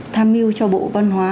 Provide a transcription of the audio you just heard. tham mưu cho bộ văn hóa